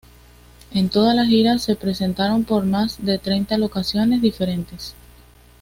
En toda la gira se presentaron por más de treinta locaciones diferentes.